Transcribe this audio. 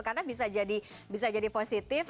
karena bisa jadi positif